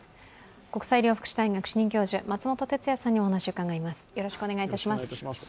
国際医療福祉大学主任教授松本哲哉さんにお話を伺います。